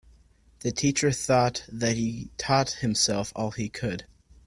The teacher thought that he'd taught himself all he could.